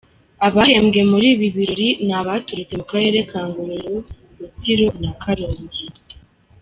Abahembwe muri ibi birori ni abaturutse mu karere ka Ngororero, Rutsiro na Karongi.